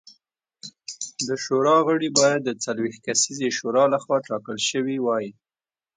د شورا غړي باید د څلوېښت کسیزې شورا لخوا ټاکل شوي وای